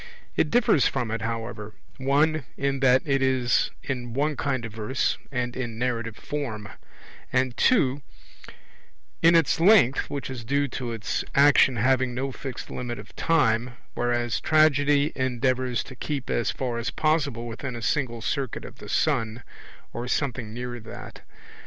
It differs from it, however, (1) in that it is in one kind of verse and in narrative form; and (2) in its length which is due to its action having no fixed limit of time, whereas Tragedy endeavours to keep as far as possible within a single circuit of the sun, or something near that.